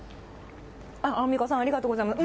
アンミカさん、ありがとうございます。